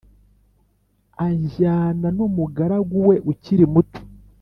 ajyana n umugaragu we ukiri muto